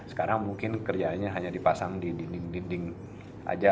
sekarang mungkin kerjaannya hanya dipasang di dinding dinding aja